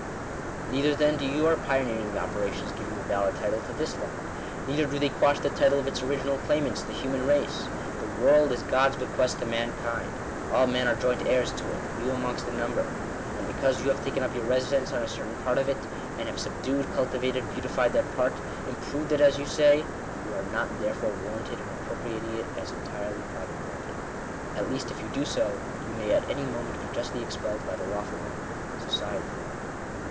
"Neither then do your pioneering operations give you a valid title to this land. Neither do they quash the title of its original claimants — the human race. The world is God's be quest to mankind. All men are joint heirs to it ; you amongst the number. And because you have taken up your residence on a certain part of it, and have subdued, cultivated, beautified that part — improved it as you say, you are not therefore war Digitized by VjOOQIC THE RIGHT TO THE U8E OF THE EARTH. 119 « ranted in appropriating it as entirely private property. At least if you do so, you may at any moment be justly expelled by the lawful owner — Society."